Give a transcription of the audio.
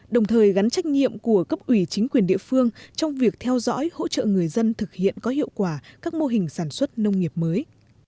đồng thời gắn trách nhiệm của cấp ủy chính quyền địa phương trong việc theo dõi hỗ trợ người dân thực hiện có hiệu quả các mô hình sản xuất nông nghiệp mới